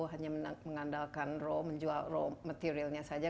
hanya mengandalkan raw menjual row materialnya saja